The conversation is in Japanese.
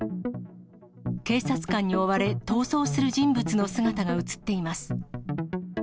警察官に追われ、逃走する人物の姿が写っています。